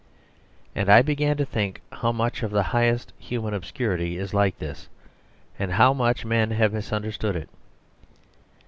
And I began to think how much of the highest human obscurity is like this, and how much men have misunderstood it.